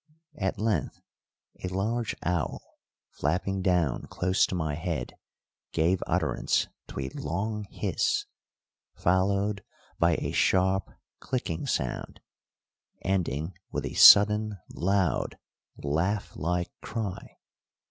At length a large owl, flapping down close to my head, gave utterance to a long hiss, followed by a sharp, clicking sound, ending with a sudden loud, laugh like cry.